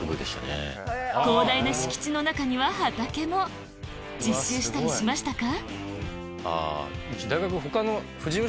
広大な敷地の中には畑も実習したりしましたか？